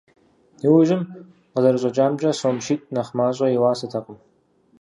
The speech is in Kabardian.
Иужьым къызэрыщӀэкӀамкӀэ, сом щитӀ нэхъ мащӀэ и уасэтэкъым.